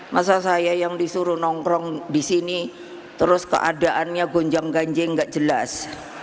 masa saya yang disuruh nongkrong di sini terus keadaannya gonjang ganjing nggak jelas